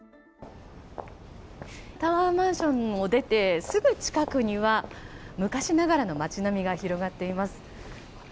タワーマンションを出てすぐ近くには昔ながらの街並みが広がっています。